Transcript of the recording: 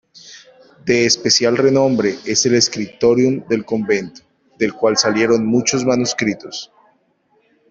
De especial renombre es el Scriptorium del convento, del cual salieron muchos manuscritos.